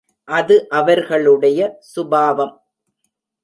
அது அவர்களுடைய சுபாவம்.